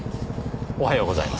おはようございます。